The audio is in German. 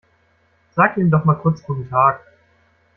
Sag ihm doch mal kurz guten Tag.